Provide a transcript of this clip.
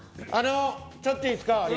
ちょっといいですか。